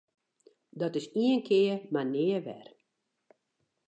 Dat is ien kear mar nea wer!